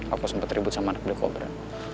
aku sempet ribut sama anak the cobra